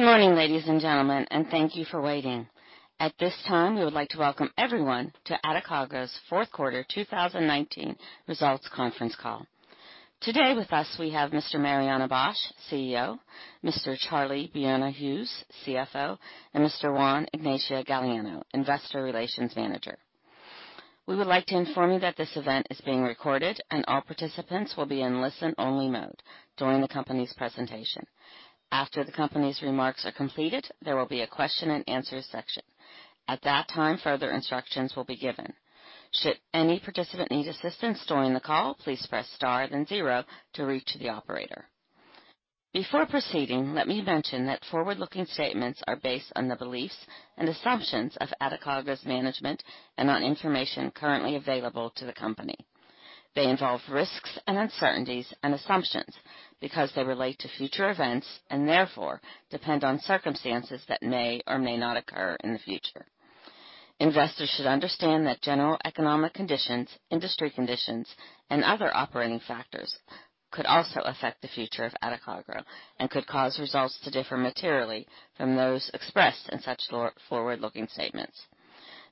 Good morning, ladies and gentlemen, and thank you for waiting. At this time, we would like to welcome everyone to Adecoagro's fourth quarter 2019 results conference call. Today with us, we have Mr. Mariano Bosch, CEO, Mr. Carlos Boero Hughes, CFO, and Mr. Juan Ignacio Galleano, investor relations manager. We would like to inform you that this event is being recorded, and all participants will be in listen-only mode during the company's presentation. After the company's remarks are completed, there will be a question and answer section. At that time, further instructions will be given. Should any participant need assistance during the call, please press star then zero to reach the operator. Before proceeding, let me mention that forward-looking statements are based on the beliefs and assumptions of Adecoagro's management and on information currently available to the company. They involve risks and uncertainties and assumptions because they relate to future events, and therefore depend on circumstances that may or may not occur in the future. Investors should understand that general economic conditions, industry conditions, and other operating factors could also affect the future of Adecoagro and could cause results to differ materially from those expressed in such forward-looking statements.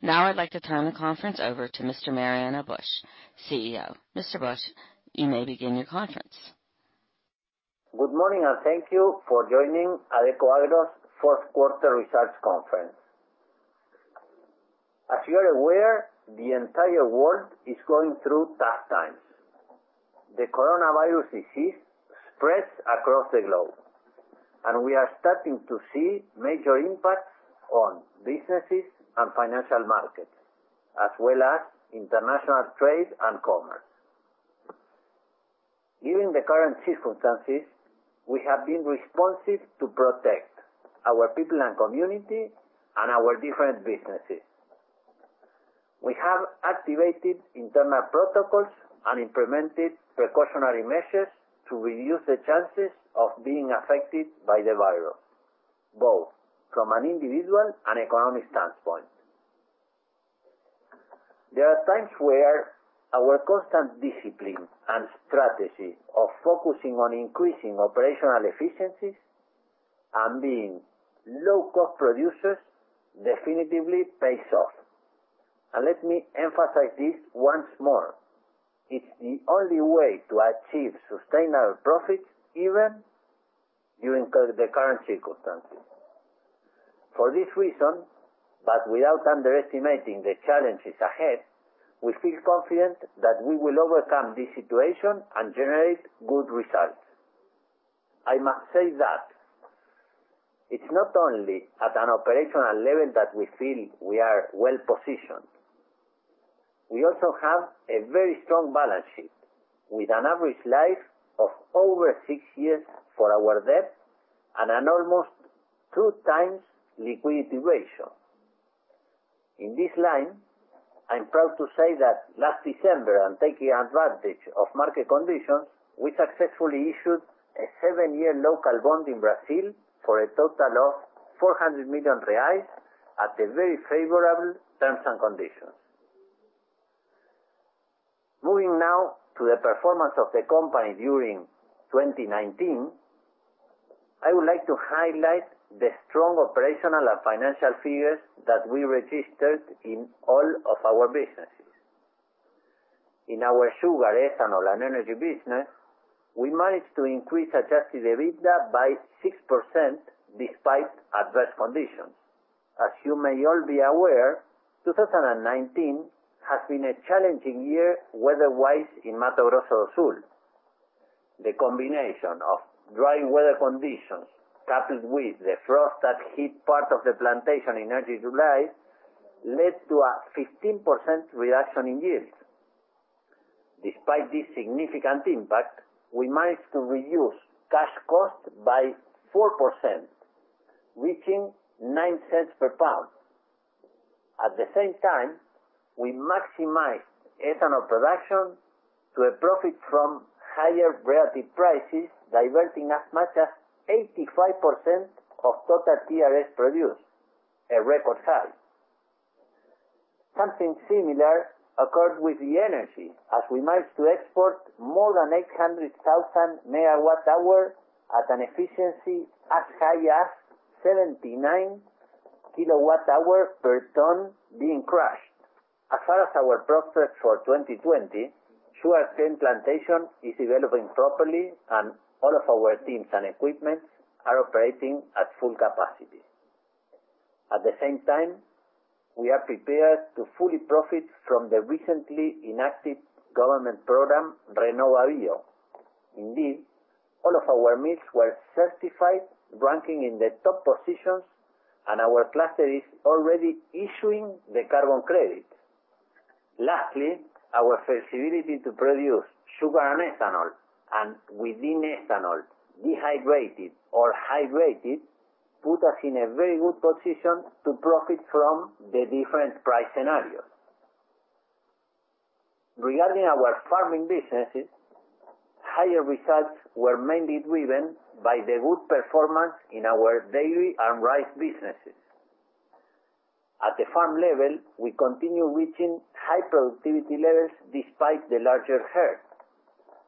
I'd like to turn the conference over to Mr. Mariano Bosch, CEO. Mr. Bosch, you may begin your conference. Good morning, and thank you for joining Adecoagro's fourth quarter results conference. As you are aware, the entire world is going through tough times. The coronavirus disease spreads across the globe, and we are starting to see major impacts on businesses and financial markets, as well as international trade and commerce. Given the current circumstances, we have been responsive to protect our people and community and our different businesses. We have activated internal protocols and implemented precautionary measures to reduce the chances of being affected by the virus, both from an individual and economic standpoint. There are times where our constant discipline and strategy of focusing on increasing operational efficiencies and being low-cost producers definitively pays off. Let me emphasize this once more. It's the only way to achieve sustainable profits, even during the current circumstances. For this reason, but without underestimating the challenges ahead, we feel confident that we will overcome this situation and generate good results. I must say that it's not only at an operational level that we feel we are well-positioned. We also have a very strong balance sheet, with an average life of over six years for our debt and an almost two times liquidity ratio. In this line, I'm proud to say that last December, and taking advantage of market conditions, we successfully issued a seven-year local bond in Brazil for a total of 400 million reais at very favorable terms and conditions. Moving now to the performance of the company during 2019, I would like to highlight the strong operational and financial figures that we registered in all of our businesses. In our sugar, ethanol, and energy business, we managed to increase adjusted EBITDA by 6% despite adverse conditions. As you may all be aware, 2019 has been a challenging year weather-wise in Mato Grosso do Sul. The combination of dry weather conditions, coupled with the frost that hit part of the plantation in early July, led to a 15% reduction in yields. Despite this significant impact, we managed to reduce cash costs by 4%, reaching 0.09 per pound. At the same time, we maximize ethanol production to profit from higher relative prices, diverting as much as 85% of total TRS produced, a record high. Something similar occurred with the energy, as we managed to export more than 800,000 MWh at an efficiency as high as 79 kWh per ton being crushed. As far as our prospects for 2020, sugarcane plantation is developing properly, and all of our teams and equipment are operating at full capacity. At the same time, we are prepared to fully profit from the recently enacted government program, RenovaBio. Indeed, all of our mills were certified ranking in the top positions, and our cluster is already issuing the carbon credit. Lastly, our flexibility to produce sugar and ethanol, and within ethanol, anhydrous or hydrous, put us in a very good position to profit from the different price scenarios. Regarding our farming businesses, higher results were mainly driven by the good performance in our dairy and rice businesses. At the farm level, we continue reaching high productivity levels despite the larger herd.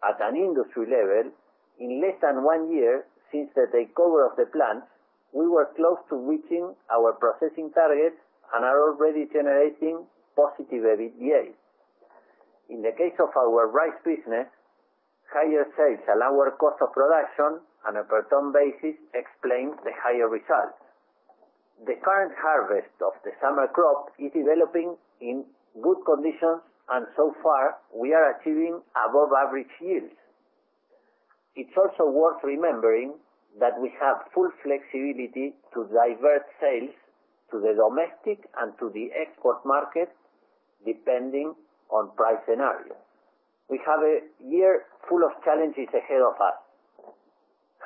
At an industry level, in less than one year since the takeover of the plants, we were close to reaching our processing targets and are already generating positive EBITDA. In the case of our rice business, higher sales and lower cost of production on a per ton basis explain the higher results. The current harvest of the summer crop is developing in good conditions, and so far, we are achieving above average yields. It's also worth remembering that we have full flexibility to divert sales to the domestic and to the export market, depending on price scenarios. We have a year full of challenges ahead of us.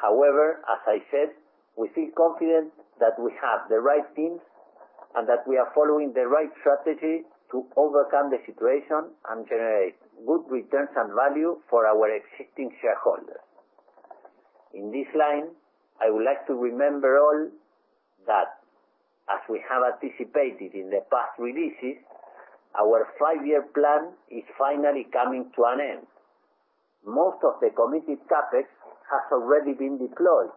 However, as I said, we feel confident that we have the right teams and that we are following the right strategy to overcome the situation and generate good returns and value for our existing shareholders. In this line, I would like to remember all that, as we have anticipated in the past releases, our five-year plan is finally coming to an end. Most of the committed CapEx has already been deployed.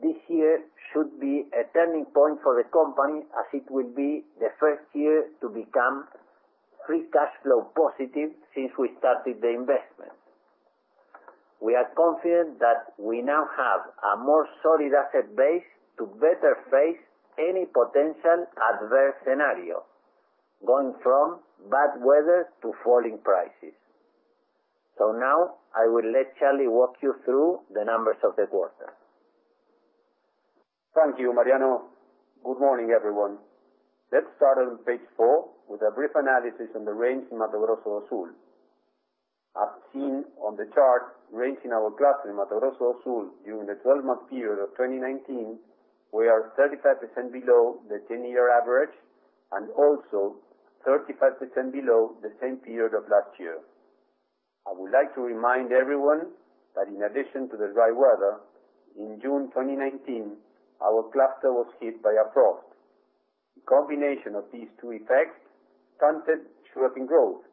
This year should be a turning point for the company, as it will be the first year to become free cash flow positive since we started the investment. We are confident that we now have a more solid asset base to better face any potential adverse scenario, going from bad weather to falling prices. Now I will let Carlos walk you through the numbers of the quarter. Thank you, Mariano. Good morning, everyone. Let's start on page four with a brief analysis on the rains in Mato Grosso do Sul. As seen on the chart, rains in our cluster in Mato Grosso do Sul during the 12-month period of 2019 were 35% below the 10-year average and also 35% below the same period of last year. I would like to remind everyone that in addition to the dry weather, in June 2019, our cluster was hit by a frost. The combination of these two effects stunted sugarcane growth,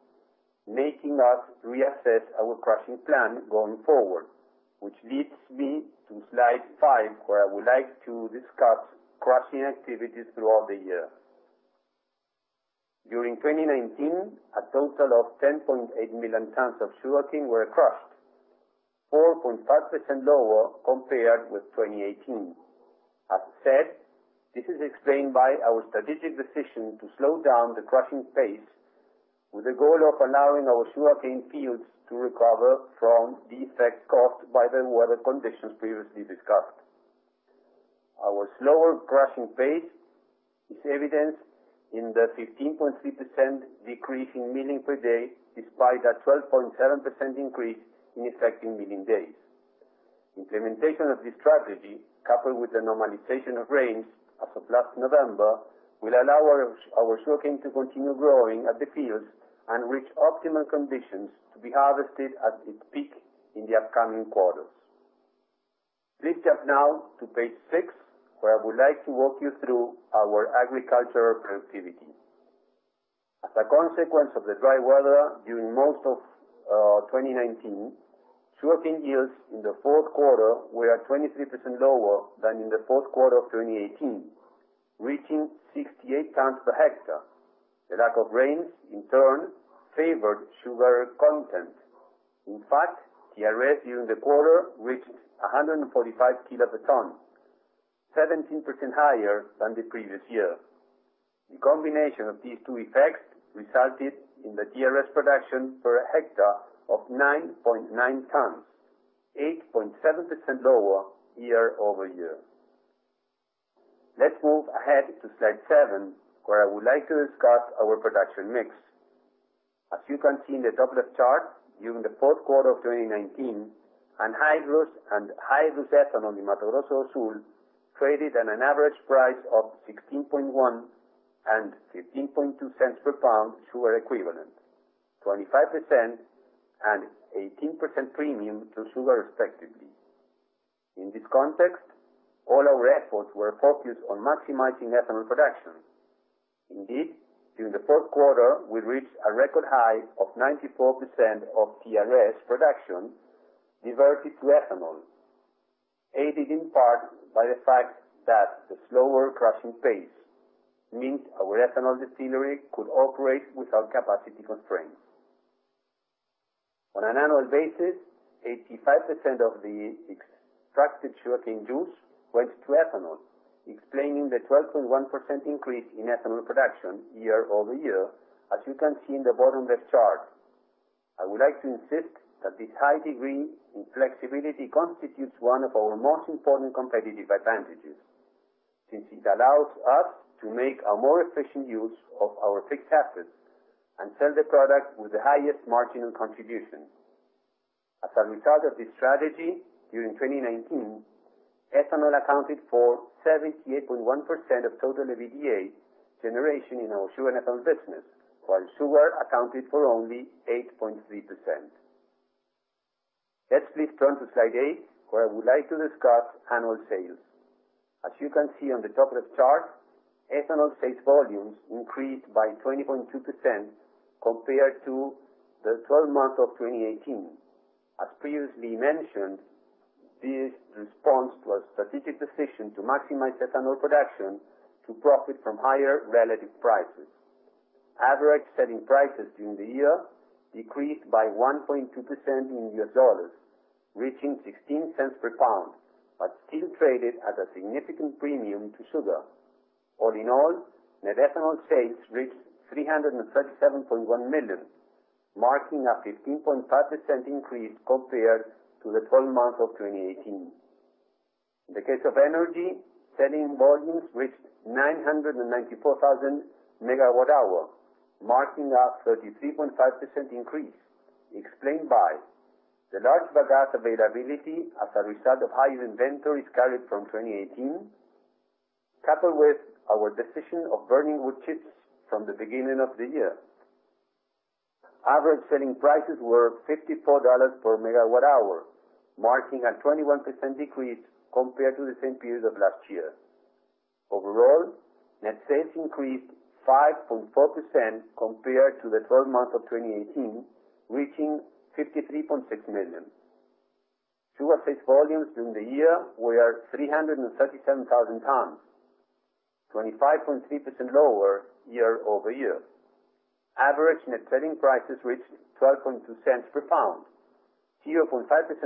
making us reassess our crushing plan going forward, which leads me to slide five, where I would like to discuss crushing activities throughout the year. During 2019, a total of 10.8 million tons of sugarcane were crushed, 4.5% lower compared with 2018. As said, this is explained by our strategic decision to slow down the crushing pace with the goal of allowing our sugarcane fields to recover from the effects caused by the weather conditions previously discussed. Our slower crushing pace is evidenced in the 15.3% decrease in milling per day, despite a 12.7% increase in effective milling days. Implementation of this strategy, coupled with the normalization of rains as of last November, will allow our sugarcane to continue growing at the fields and reach optimal conditions to be harvested at its peak in the upcoming quarters. Please turn now to page six, where I would like to walk you through our agricultural productivity. As a consequence of the dry weather during most of 2019, sugarcane yields in the fourth quarter were at 23% lower than in the fourth quarter of 2018, reaching 68 tons per hectare. The lack of rains, in turn, favored sugar content. In fact, TRS during the quarter reached 145 kilo per ton, 17% higher than the previous year. The combination of these two effects resulted in the TRS production per hectare of 9.9 tons, 8.7% lower year-over-year. Let's move ahead to slide seven, where I would like to discuss our production mix. As you can see in the top left chart, during the fourth quarter of 2019, anhydrous and hydrous ethanol in Mato Grosso do Sul traded at an average price of $0.161 and $0.152 per pound sugar equivalent, 25% and 18% premium to sugar, respectively. In this context, all our efforts were focused on maximizing ethanol production. Indeed, during the fourth quarter, we reached a record high of 94% of TRS production diverted to ethanol, aided in part by the fact that the slower crushing pace meant our ethanol distillery could operate without capacity constraints. On an annual basis, 85% of the extracted sugarcane juice went to ethanol, explaining the 12.1% increase in ethanol production year-over-year, as you can see in the bottom left chart. I would like to insist that this high degree in flexibility constitutes one of our most important competitive advantages, since it allows us to make a more efficient use of our fixed assets and sell the product with the highest marginal contribution. As a result of this strategy, during 2019, ethanol accounted for 78.1% of total EBITDA generation in our sugar and ethanol business, while sugar accounted for only 8.3%. Let's please turn to slide eight, where I would like to discuss annual sales. As you can see on the top left chart, ethanol sales volumes increased by 20.2% compared to the 12 months of 2018. As previously mentioned, this response was a strategic decision to maximize ethanol production to profit from higher relative prices. Average selling prices during the year decreased by 1.2% in US dollars, reaching $0.16 per pound, but still traded at a significant premium to sugar. All in all, net ethanol sales reached 337.1 million, marking a 15.5% increase compared to the 12 months of 2018. In the case of energy, selling volumes reached 994,000 MWh, marking a 33.5% increase explained by the large bagasse availability as a result of higher inventories carried from 2018, coupled with our decision of burning wood chips from the beginning of the year. Average selling prices were BRL 54 per MWh, marking a 21% decrease compared to the same period of last year. Overall, net sales increased 5.4% compared to the 12 months of 2018, reaching 53.6 million. Sugar sales volumes during the year were 337,000 tons, 25.3% lower year-over-year. Average net selling prices reached 0.122 per pound, 0.5%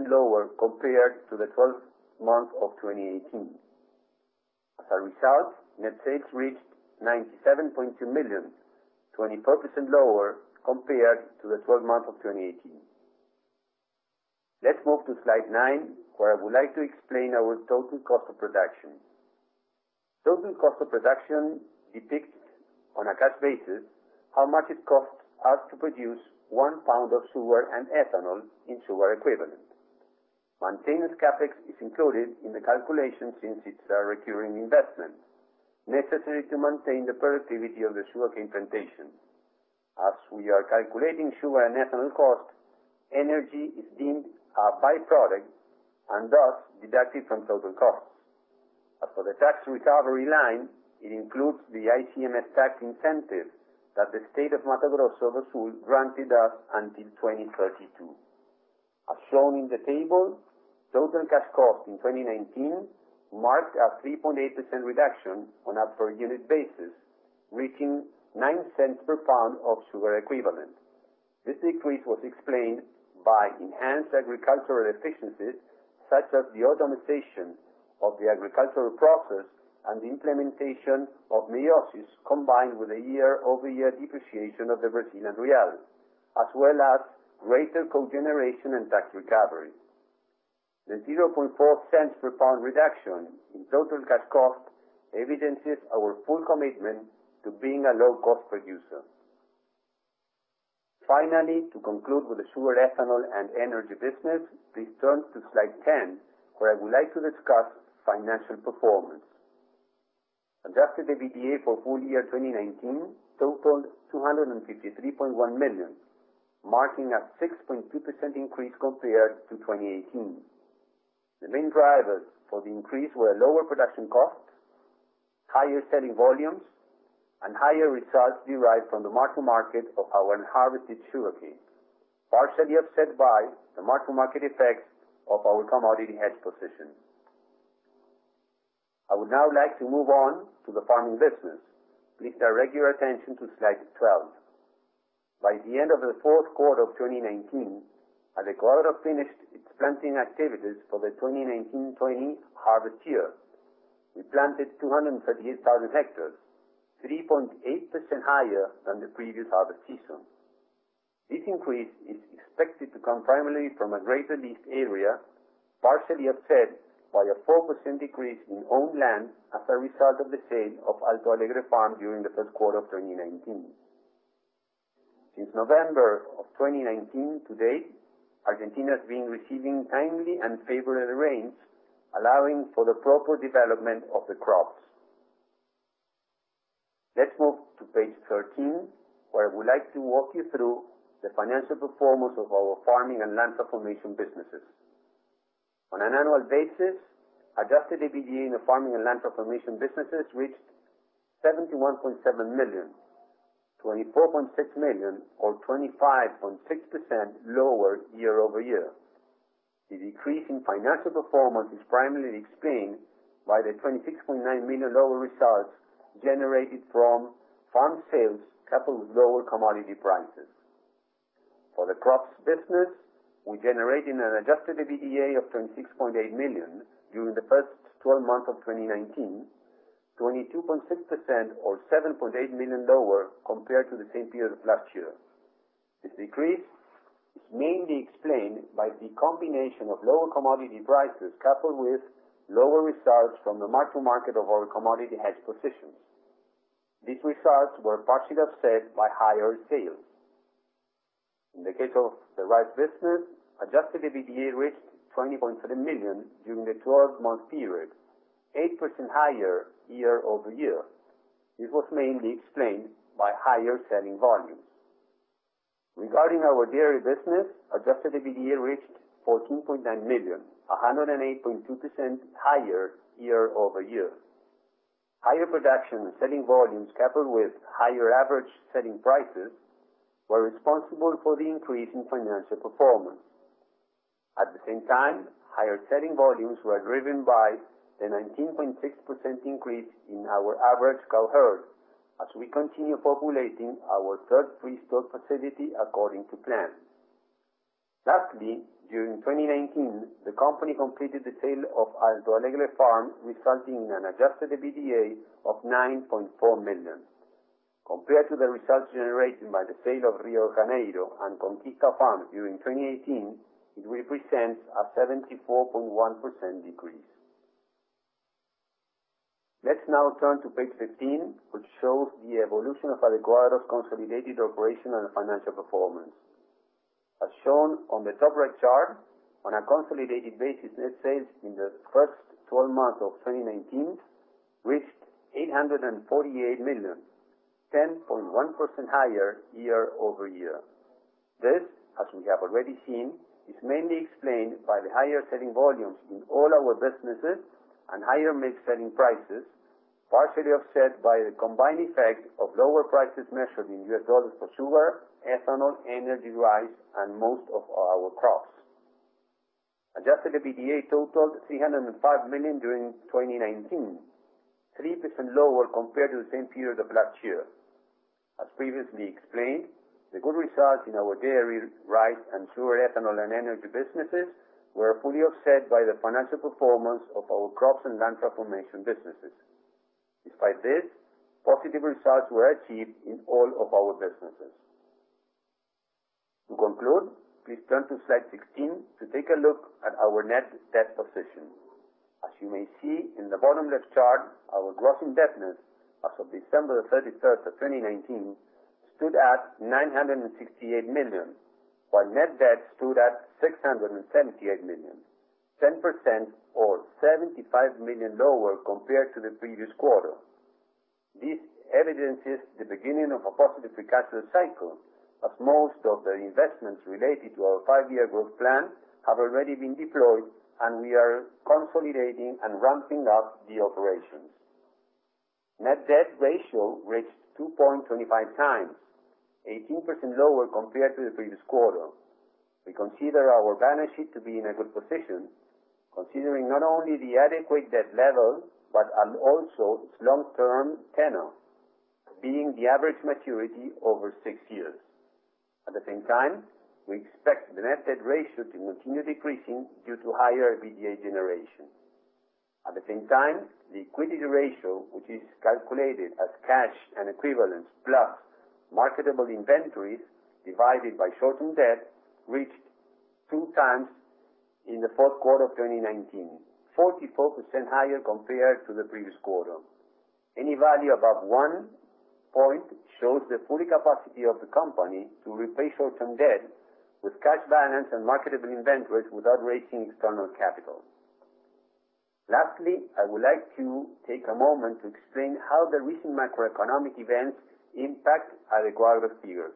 lower compared to the 12 months of 2018. Net sales reached 97.2 million, 20% lower compared to the 12 months of 2018. Let's move to slide nine, where I would like to explain our total cost of production. Total cost of production depicts, on a cash basis, how much it costs us to produce one pound of sugar and ethanol in sugar equivalent. Maintenance CapEx is included in the calculation since it is a recurring investment necessary to maintain the productivity of the sugarcane plantation. As we are calculating sugar and ethanol cost, energy is deemed a byproduct and thus deducted from total cost. As for the tax recovery line, it includes the ICMS tax incentive that the state of Mato Grosso do Sul granted us until 2032. As shown in the table, total cash cost in 2019 marked a 3.8% reduction on a per unit basis, reaching $0.09 per pound of sugar equivalent. This decrease was explained by enhanced agricultural efficiencies, such as the automatization of the agricultural process and the implementation of meiosis, combined with a year-over-year depreciation of the Brazilian real, as well as greater cogeneration and tax recovery. The 0.004 per pound reduction in total cash cost evidences our full commitment to being a low-cost producer. Finally, to conclude with the Sugar, Ethanol, and Energy Business, please turn to slide 10, where I would like to discuss financial performance. Adjusted EBITDA for full year 2019 totaled 253.1 million, marking a 6.2% increase compared to 2018. The main drivers for the increase were lower production costs, higher selling volumes, and higher results derived from the mark-to-market of our unharvested sugarcane, partially offset by the mark-to-market effects of our commodity hedge position. I would now like to move on to the Farming Business. Please direct your attention to slide 12. By the end of the fourth quarter of 2019, Adecoagro finished its planting activities for the 2019/20 harvest year. We planted 238,000 hectares, 3.8% higher than the previous harvest season. This increase is expected to come primarily from a greater leased area, partially offset by a 4% decrease in owned land as a result of the sale of Conquista Farm during the first quarter of 2019. Since November of 2019 to date, Argentina has been receiving timely and favorable rains, allowing for the proper development of the crops. Let's move to page 13, where I would like to walk you through the financial performance of our farming and land transformation businesses. On an annual basis, adjusted EBITDA in the farming and land transformation businesses reached 71.7 million, 24.6 million or 25.6% lower year-over-year. The decrease in financial performance is primarily explained by the 26.9 million lower results generated from farm sales, coupled with lower commodity prices. For the crops business, we generated an adjusted EBITDA of 26.8 million during the first 12 months of 2019, 22.6% or 7.8 million lower compared to the same period of last year. This decrease is mainly explained by the combination of lower commodity prices, coupled with lower results from the mark-to-market of our commodity hedge positions. These results were partially offset by higher sales. In the case of the rice business, adjusted EBITDA reached 20.7 million during the 12-month period, 8% higher year-over-year. This was mainly explained by higher selling volumes. Regarding our dairy business, adjusted EBITDA reached 14.9 million, 108.2% higher year-over-year. Higher production selling volumes coupled with higher average selling prices were responsible for the increase in financial performance. At the same time, higher selling volumes were driven by the 19.6% increase in our average cow herd as we continue populating our third free stall facility according to plan. Lastly, during 2019, the company completed the sale of Alto Alegre Farm, resulting in an adjusted EBITDA of 9.4 million. Compared to the results generated by the sale of Rio de Janeiro and Conquista Farm during 2018, it represents a 74.1% decrease. Let's now turn to page 15, which shows the evolution of Adecoagro's consolidated operational and financial performance. As shown on the top right chart, on a consolidated basis, net sales in the first 12 months of 2019 reached 848 million, 10.1% higher year-over-year. This, as we have already seen, is mainly explained by the higher selling volumes in all our businesses and higher mix selling prices, partially offset by the combined effect of lower prices measured in US dollars for sugar, ethanol, energy rice, and most of our crops. Adjusted EBITDA totaled 305 million during 2019, 3% lower compared to the same period of last year. As previously explained, the good results in our dairy, rice, and sugar, ethanol, and energy businesses were fully offset by the financial performance of our crops and land transformation businesses. Despite this, positive results were achieved in all of our businesses. To conclude, please turn to slide 16 to take a look at our net debt position. As you may see in the bottom left chart, our gross indebtedness as of December 31st of 2019 stood at 968 million, while net debt stood at 678 million, 10% or 75 million lower compared to the previous quarter. This evidences the beginning of a positive free cash flow cycle, as most of the investments related to our five-year growth plan have already been deployed, and we are consolidating and ramping up the operations. Net debt ratio reached 2.25 times, 18% lower compared to the previous quarter. We consider our balance sheet to be in a good position, considering not only the adequate debt level, but also its long-term tenor, being the average maturity over six years. At the same time, we expect the net debt ratio to continue decreasing due to higher EBITDA generation. At the same time, liquidity ratio, which is calculated as cash and equivalents plus marketable inventories divided by short-term debt, reached two times in the fourth quarter of 2019, 44% higher compared to the previous quarter. Any value above one point shows the full capacity of the company to repay short-term debt with cash balance and marketable inventories without raising external capital. Lastly, I would like to take a moment to explain how the recent macroeconomic events impact Adecoagro's figures.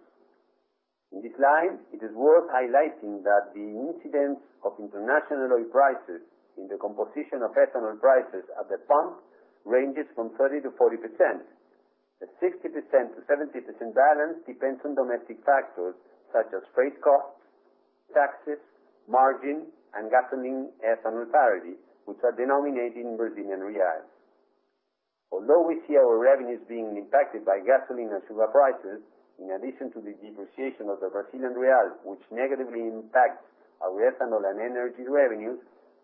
In this line, it is worth highlighting that the incidence of international oil prices in the composition of ethanol prices at the pump ranges from 30%-40%. The 60%-70% balance depends on domestic factors such as freight costs, taxes, margin, and gasoline-ethanol parity, which are denominated in Brazilian reals. Although we see our revenues being impacted by gasoline and sugar prices, in addition to the depreciation of the Brazilian real, which negatively impacts our ethanol and energy revenues,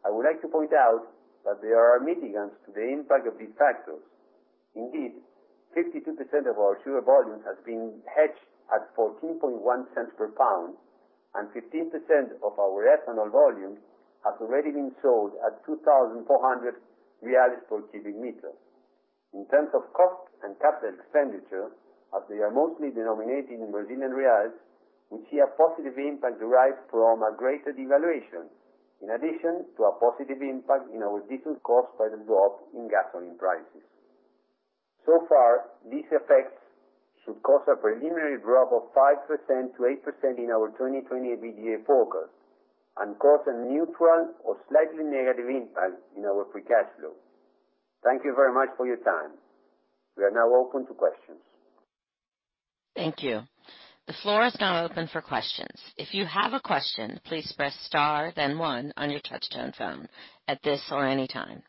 I would like to point out that there are mitigants to the impact of these factors. 52% of our sugar volume has been hedged at $0.141 per pound, and 15% of our ethanol volume has already been sold at 2,400 per cubic meter. In terms of cost and CapEx, as they are mostly denominated in Brazilian reals, we see a positive impact derived from a greater devaluation, in addition to a positive impact in our diesel cost by the drop in gasoline prices. These effects should cause a preliminary drop of 5%-8% in our 2020 EBITDA forecast and cause a neutral or slightly negative impact in our free cash flow. Thank you very much for your time. We are now open to questions. Thank you. The floor is now open for questions. If you have a question, please press star then one on your touchtone phone at this or any time.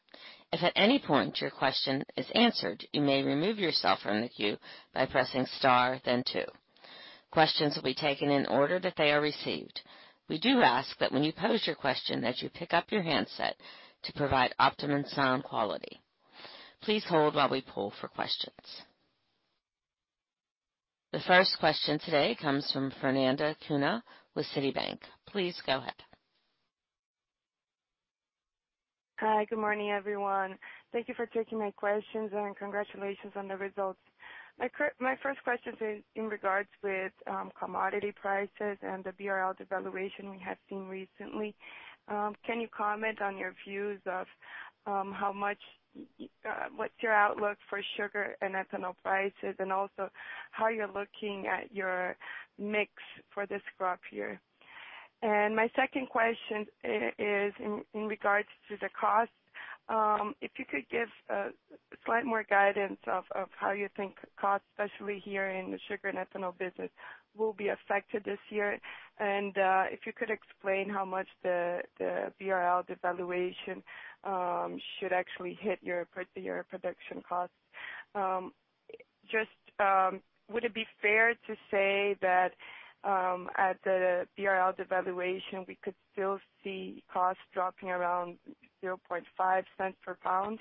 If at any point your question is answered, you may remove yourself from the queue by pressing star then two. Questions will be taken in the order that they are received. We do ask that when you pose your question, that you pick up your handset to provide optimum sound quality. Please hold while we pull for questions. The first question today comes from Fernanda Cunha with Citibank. Please go ahead. Hi. Good morning, everyone. Thank you for taking my questions, and congratulations on the results. My first question is in regards with commodity prices and the BRL devaluation we have seen recently. Can you comment on your views of what's your outlook for sugar and ethanol prices, and also how you're looking at your mix for this crop year? My second question is in regards to the cost. If you could give a slight more guidance of how you think cost, especially here in the sugar and ethanol business, will be affected this year. If you could explain how much the BRL devaluation should actually hit your production cost. Just would it be fair to say that at the BRL devaluation, we could still see costs dropping around 0.005 per pound?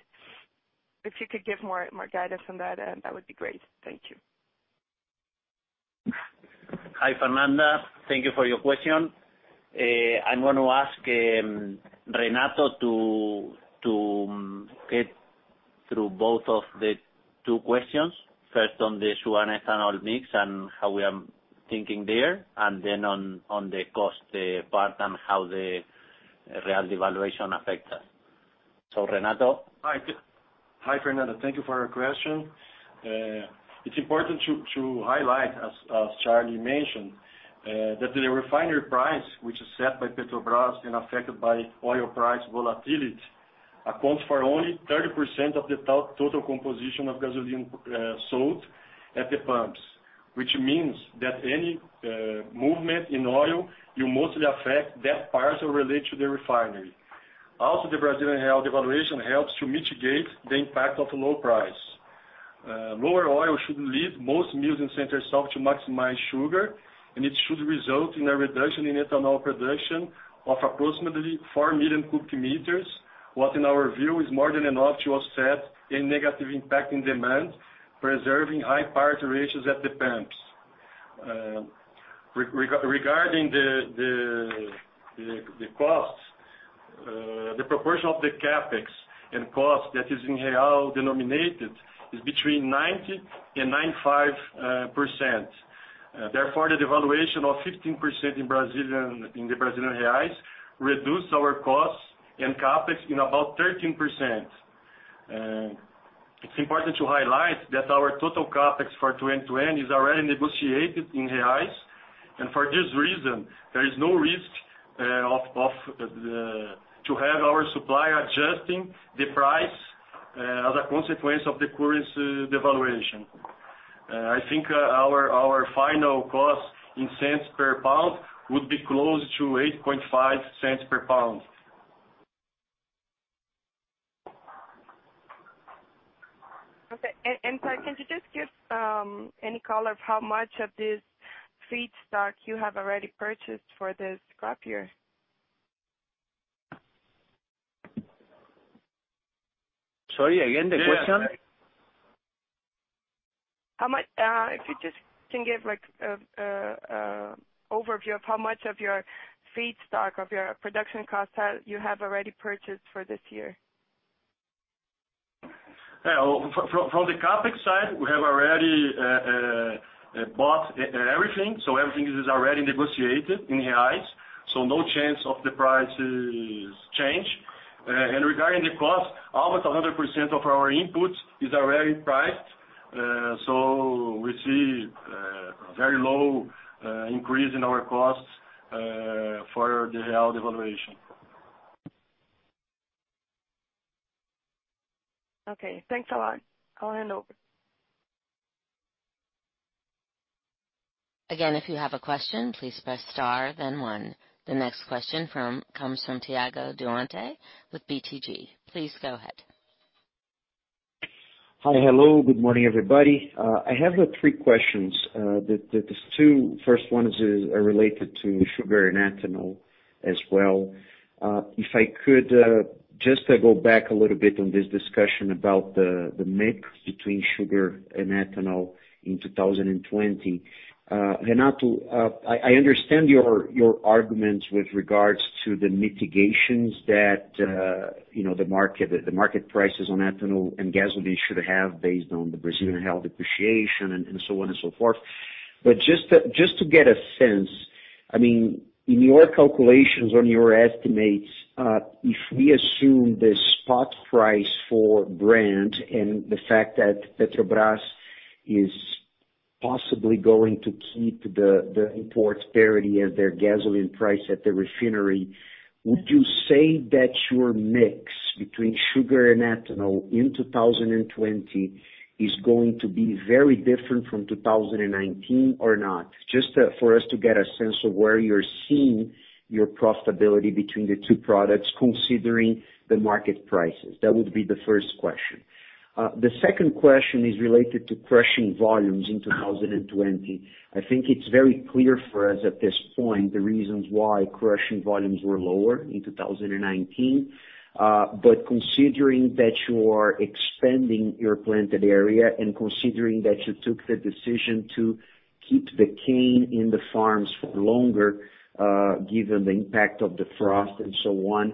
If you could give more guidance on that would be great. Thank you. Hi, Fernanda. Thank you for your question. I'm going to ask Renato to get through both of the two questions, first on the sugar and ethanol mix and how we are thinking there, and then on the cost part and how the Real devaluation affect us. Renato. Hi, Fernanda. Thank you for your question. It's important to highlight, as Carlos mentioned, that the refinery price, which is set by Petrobras and affected by oil price volatility, accounts for only 30% of the total composition of gasoline sold at the pumps, which means that any movement in oil will mostly affect that part related to the refinery. The Brazilian real devaluation helps to mitigate the impact of low price. Lower oil should lead most mill Center-South to maximize sugar, it should result in a reduction in ethanol production of approximately 4 million cubic meters, what in our view is more than enough to offset any negative impact in demand, preserving high parity ratios at the pumps. Regarding the costs, the proportion of the CapEx and cost that is in BRL denominated is between 90% and 95%. The devaluation of 15% in BRL reduced our costs and CapEx in about 13%. It's important to highlight that our total CapEx for 2020 is already negotiated in BRL, and for this reason, there is no risk to have our supplier adjusting the price as a consequence of the currency devaluation. I think our final cost in $ per pound would be close to $0.085 per pound. Okay. Sorry, can you just give any color of how much of this feedstock you have already purchased for this crop year? Sorry, again, the question? If you just can give an overview of how much of your feedstock, of your production cost, you have already purchased for this year? From the CapEx side, we have already bought everything. Everything is already negotiated in reais, so no chance of the prices change. Regarding the cost, almost 100% of our input is already priced, so we see a very low increase in our costs for the real devaluation. Okay, thanks a lot. I'll hand over. If you have a question, please press star then one. The next question comes from Thiago Duarte with BTG. Please go ahead. Hi. Hello. Good morning, everybody. I have three questions. The two first ones are related to sugar and ethanol as well. Just to go back a little bit on this discussion about the mix between sugar and ethanol in 2020. Renato, I understand your arguments with regards to the mitigations that the market prices on ethanol and gasoline should have, based on the Brazilian real depreciation, and so on and so forth. Just to get a sense, in your calculations, on your estimates, if we assume the spot price for Brent and the fact that Petrobras is possibly going to keep the import parity as their gasoline price at the refinery, would you say that your mix between sugar and ethanol in 2020 is going to be very different from 2019 or not? Just for us to get a sense of where you're seeing your profitability between the two products, considering the market prices. That would be the first question. The second question is related to crushing volumes in 2020. I think it's very clear for us at this point the reasons why crushing volumes were lower in 2019. Considering that you are expanding your planted area and considering that you took the decision to keep the cane in the farms for longer, given the impact of the frost and so on,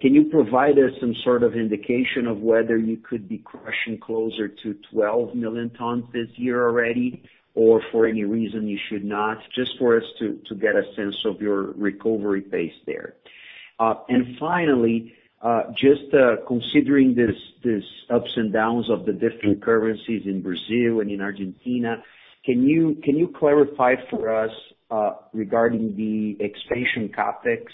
can you provide us some sort of indication of whether you could be crushing closer to 12 million tons this year already? For any reason you should not, just for us to get a sense of your recovery pace there. Finally, just considering these ups and downs of the different currencies in Brazil and in Argentina, can you clarify for us regarding the expansion CapEx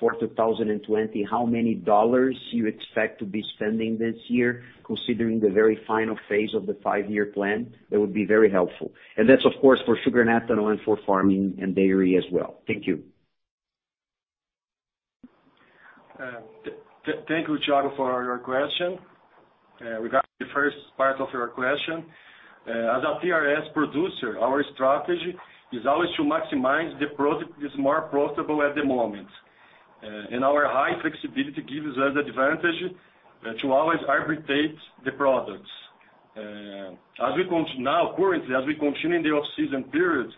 for 2020, how many dollars you expect to be spending this year, considering the very final phase of the five-year plan? That would be very helpful. That's, of course, for sugar and ethanol and for farming and dairy as well. Thank you. Thank you, Thiago, for your question. Regarding the first part of your question, as a TRS producer, our strategy is always to maximize the product that's more profitable at the moment. Our high flexibility gives us advantage to always arbitrate the products. Currently, as we continue in the off-season period,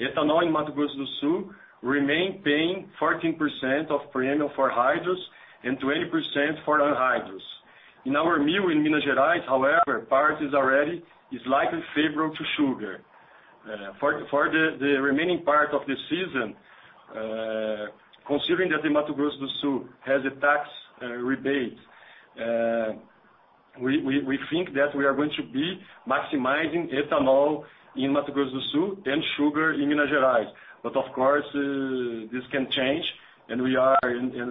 ethanol in Mato Grosso do Sul remain paying 14% of premium for hydrous and 20% for anhydrous. In our mill in Minas Gerais, however, part is already likely favorable to sugar. For the remaining part of the season, considering that the Mato Grosso do Sul has a tax rebate, we think that we are going to be maximizing ethanol in Mato Grosso do Sul and sugar in Minas Gerais. Of course, this can change, and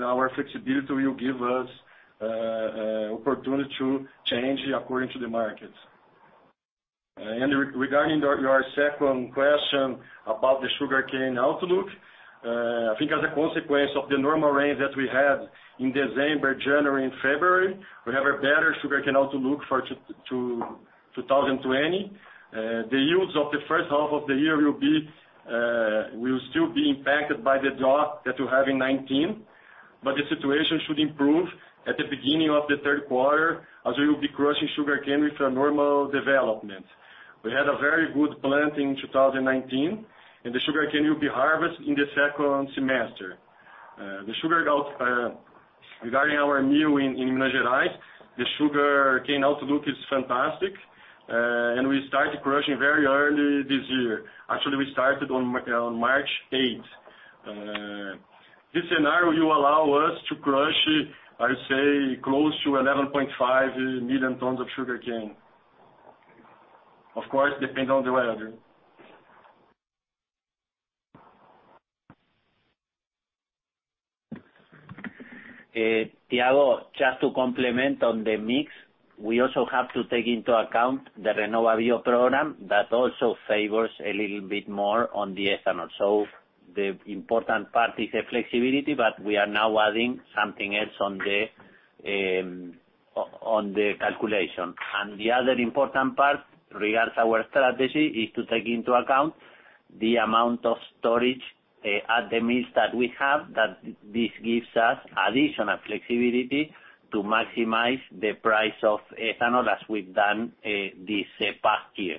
our flexibility will give us opportunity to change according to the market. Regarding your second question about the sugarcane outlook, I think as a consequence of the normal rain that we had in December, January, and February, we have a better sugarcane outlook for 2020. The yields of the first half of the year will still be impacted by the drought that we had in 2019, but the situation should improve at the beginning of the third quarter, as we will be crushing sugarcane with a normal development. We had a very good plant in 2019, and the sugarcane will be harvested in the second semester. Regarding our mill in Minas Gerais, the sugarcane outlook is fantastic, and we started crushing very early this year. Actually, we started on March 8th. This scenario will allow us to crush, I would say, close to 11.5 million tons of sugarcane. Of course, depending on the weather. Thiago, just to complement on the mix, we also have to take into account the RenovaBio program that also favors a little bit more on the ethanol. The important part is the flexibility, but we are now adding something else on the calculation. The other important part regards our strategy is to take into account the amount of storage at the mills that we have, that this gives us additional flexibility to maximize the price of ethanol as we've done this past year.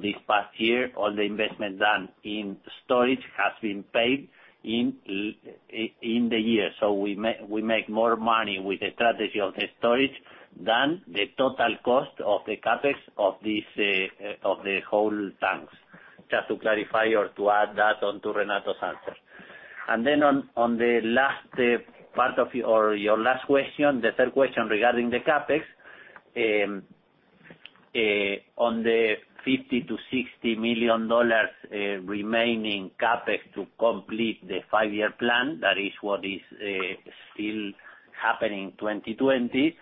This past year, all the investment done in storage has been paid in the year. We make more money with the strategy of the storage than the total cost of the CapEx of the whole tanks. Just to clarify or to add that onto Renato's answer. On your last question, the third question regarding the CapEx. On the $50 million-$60 million remaining CapEx to complete the five-year plan, that is what is still happening 2020.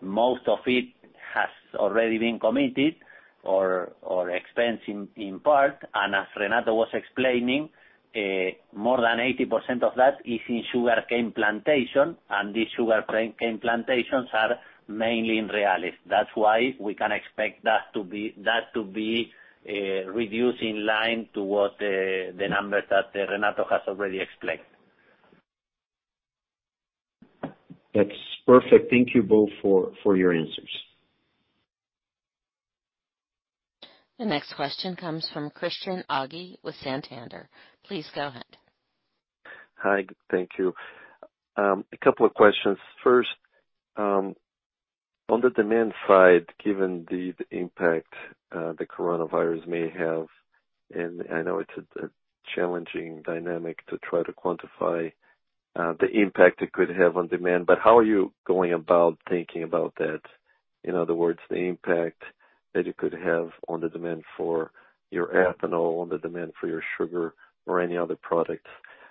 Most of it has already been committed or expensed in part, and as Renato was explaining, more than 80% of that is in sugarcane plantation, and these sugarcane plantations are mainly in Reais. That's why we can expect that to be reduced in line towards the numbers that Renato has already explained. That's perfect. Thank you both for your answers. The next question comes from Christian Audi with Santander. Please go ahead. Hi. Thank you. A couple of questions. First, on the demand side, given the impact that coronavirus may have, and I know it's a challenging dynamic to try to quantify the impact it could have on demand, but how are you going about thinking about that? In other words, the impact that it could have on the demand for your ethanol, on the demand for your sugar or any other product.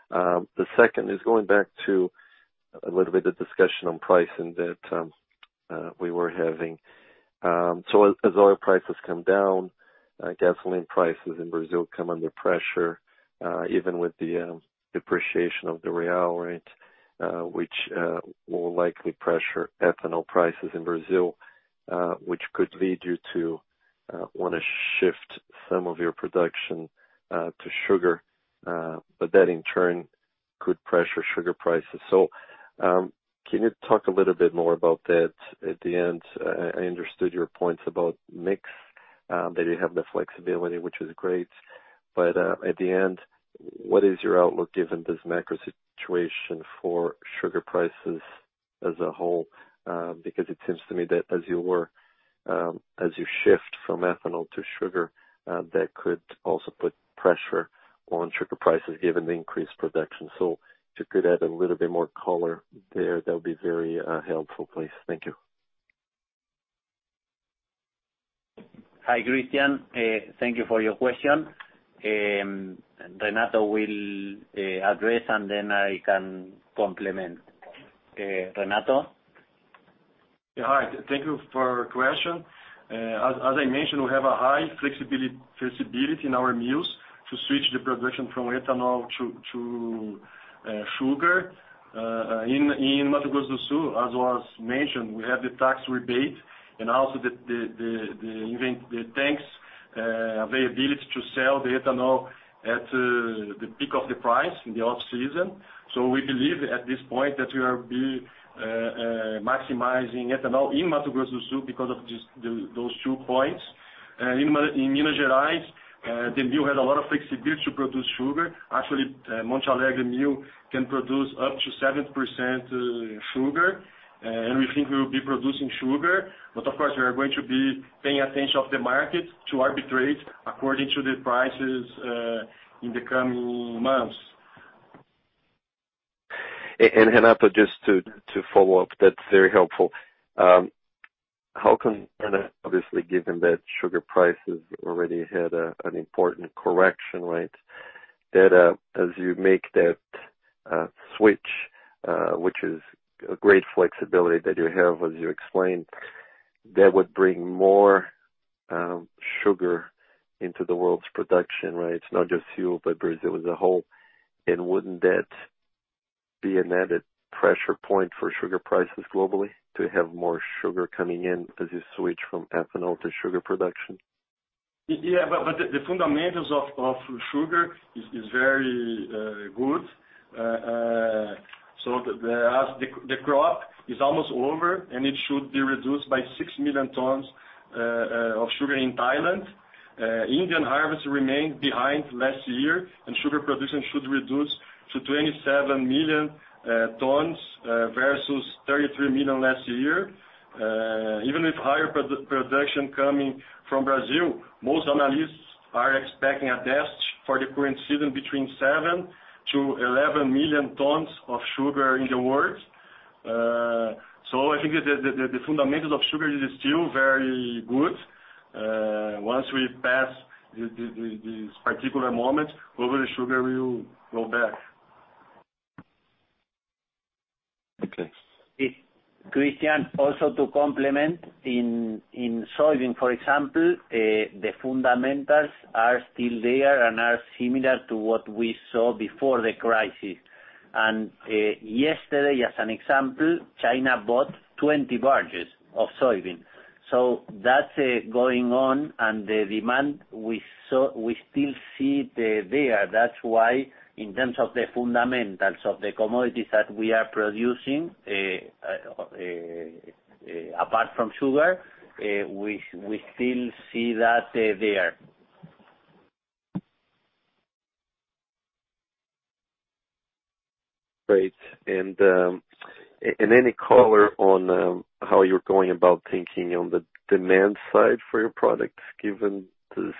The second is going back to a little bit of discussion on pricing that we were having. As oil prices come down, gasoline prices in Brazil come under pressure, even with the depreciation of the Real rate, which will likely pressure ethanol prices in Brazil, which could lead you to want to shift some of your production to sugar. That, in turn, could pressure sugar prices. Can you talk a little bit more about that at the end? I understood your points about mix. That you have the flexibility, which is great. At the end, what is your outlook given this macro situation for sugar prices? As a whole, because it seems to me that as you shift from ethanol to sugar, that could also put pressure on sugar prices given the increased production. If you could add a little bit more color there, that would be very helpful, please. Thank you. Hi, Christian. Thank you for your question. Renato will address, and then I can complement. Renato? Yeah. Hi. Thank you for your question. As I mentioned, we have a high flexibility in our mills to switch the production from ethanol to sugar. In Mato Grosso do Sul, as was mentioned, we have the tax rebate and also the tanks availability to sell the ethanol at the peak of the price in the off-season. We believe at this point that we will be maximizing ethanol in Mato Grosso do Sul because of those two points. In Minas Gerais, the mill had a lot of flexibility to produce sugar. Actually, Monte Alegre Mill can produce up to 70% sugar, and we think we will be producing sugar. Of course, we are going to be paying attention of the market to arbitrate according to the prices in the coming months. Renato, just to follow up. That's very helpful. How can obviously, given that sugar prices already had an important correction, right? That as you make that switch, which is a great flexibility that you have as you explained, that would bring more sugar into the world's production, right? It's not just you, but Brazil as a whole. Wouldn't that be an added pressure point for sugar prices globally to have more sugar coming in as you switch from ethanol to sugar production? Yeah. The fundamentals of sugar is very good. The crop is almost over, and it should be reduced by 6 million tons of sugar in Thailand. Indian harvest remained behind last year, and sugar production should reduce to 27 million tons versus 33 million last year. Even with higher production coming from Brazil, most analysts are expecting a test for the current season between 7 million-11 million tons of sugar in the world. I think the fundamentals of sugar is still very good. Once we pass this particular moment, global sugar will go back. Okay. Christian, also to complement. In soybean, for example, the fundamentals are still there and are similar to what we saw before the crisis. Yesterday, as an example, China bought 20 barges of soybean. That's going on, and the demand we still see it there. In terms of the fundamentals of the commodities that we are producing, apart from sugar, we still see that they're there. Great. Any color on how you're going about thinking on the demand side for your products, given this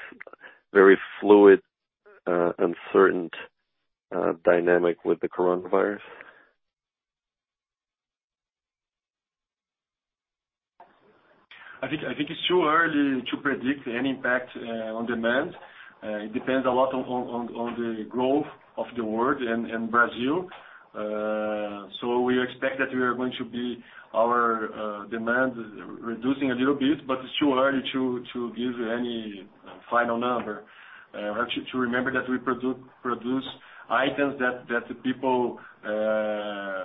very fluid, uncertain dynamic with the coronavirus? I think it's too early to predict any impact on demand. It depends a lot on the growth of the world and Brazil. We expect that we are going to be our demand reducing a little bit, but it's too early to give any final number. To remember that we produce items that the people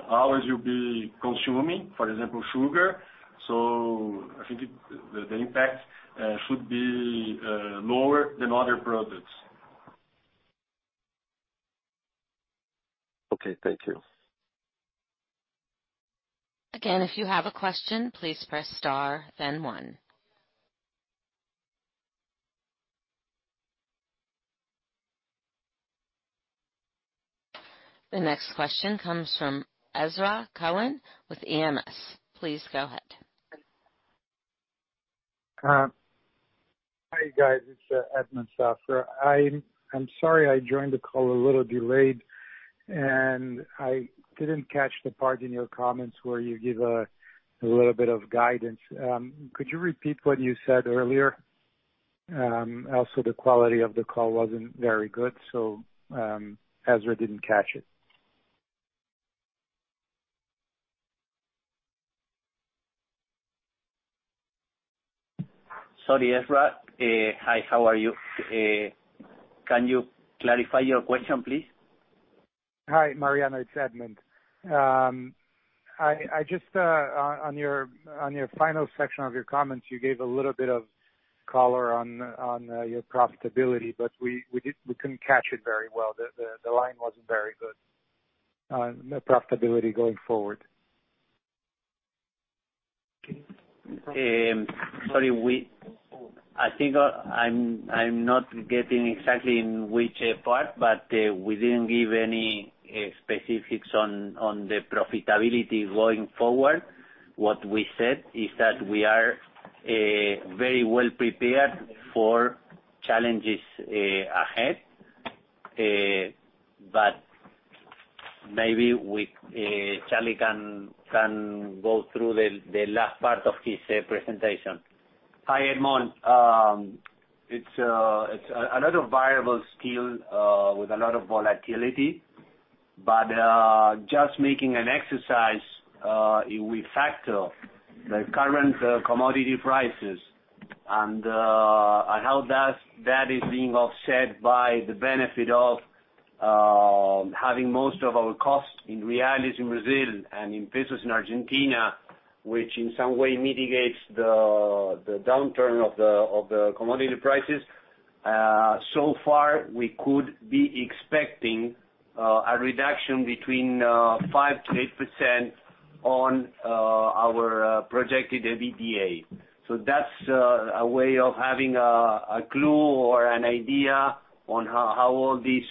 always will be consuming, for example, sugar. I think the impact should be lower than other products. Okay. Thank you. Again, if you have a question, please press star then one. The next question comes from Ezra Cohen with EMS. Please go ahead. Hi, guys. It's Edmond Safra. I'm sorry I joined the call a little delayed, and I didn't catch the part in your comments where you give a little bit of guidance. Could you repeat what you said earlier? Also, the quality of the call wasn't very good, so Ezra didn't catch it. Sorry, Ezra. Hi, how are you? Can you clarify your question, please? Hi, Mariano. It's Edmond. On your final section of your comments, you gave a little bit of color on your profitability, but we couldn't catch it very well. The line wasn't very good, the profitability going forward. Sorry, I think I'm not getting exactly in which part. We didn't give any specifics on the profitability going forward. What we said is that we are very well prepared for challenges ahead. Maybe Carlos can go through the last part of his presentation. Hi, Edmond. It's a lot of variables still with a lot of volatility, but just making an exercise, we factor the current commodity prices and how that is being offset by the benefit of having most of our costs in BRL in Brazil and in ARS in Argentina, which in some way mitigates the downturn of the commodity prices. Far, we could be expecting a reduction between 5%-8% on our projected EBITDA. That's a way of having a clue or an idea on how all these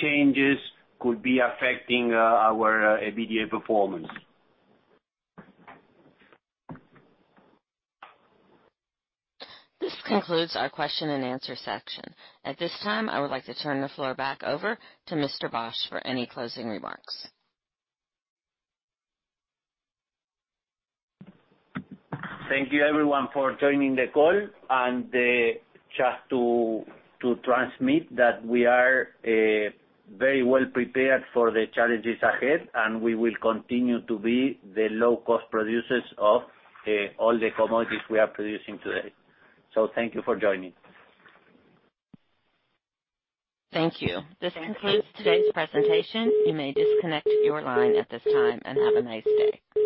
changes could be affecting our EBITDA performance. This concludes our question and answer section. At this time, I would like to turn the floor back over to Mr. Bosch for any closing remarks. Thank you, everyone, for joining the call. Just to transmit that we are very well prepared for the challenges ahead, and we will continue to be the low-cost producers of all the commodities we are producing today. Thank you for joining. Thank you. This concludes today's presentation. You may disconnect your line at this time, and have a nice day.